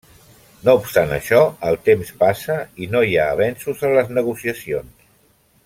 No obstant això, el temps passa i no hi ha avenços en les negociacions.